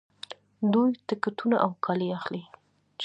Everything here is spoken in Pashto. دوی ټکټونه او کالي اخلي.